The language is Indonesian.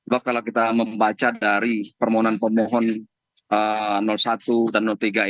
bahkan kalau kita membaca dari permohonan permohon satu dan tiga